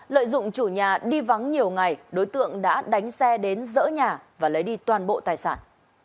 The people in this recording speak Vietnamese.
lợi dụng chủ nhà đi vắng nhiều ngày đối tượng đã đánh xe đến dỡ nhà và lấy đi toàn bộ tài sản